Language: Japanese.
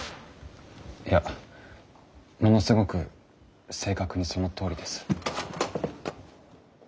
いやものすごく正確にそのとおりです。